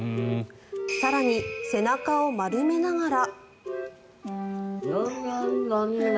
更に、背中を丸めながら。